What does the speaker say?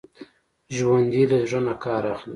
ژوندي له زړه نه کار اخلي